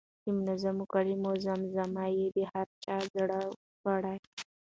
د منظومو کلمو زمزمه یې د هر چا زړه وړه.